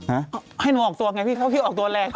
ให้หนูออกตัวไงพี่เขาขี้ออกตัวแรง